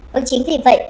và chính vì vậy